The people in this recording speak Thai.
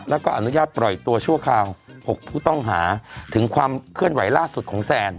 แล้วก็อนุญาตปล่อยตัวชั่วคราว๖ผู้ต้องหาถึงความเคลื่อนไหวล่าสุดของแซน